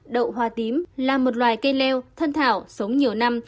đậu hoa tím là một loài cây leo thân thảo sống nhiều năm